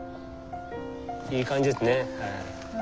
いい感じですねはい。